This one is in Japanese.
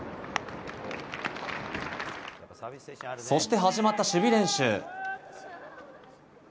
そして始まった守備練習。